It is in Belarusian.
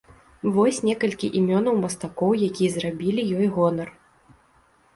Вось некалькі імёнаў мастакоў, якія зрабілі ёй гонар.